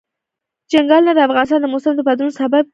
چنګلونه د افغانستان د موسم د بدلون سبب کېږي.